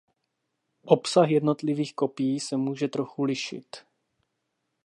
Obsah jednotlivých kopií se může trochu lišit.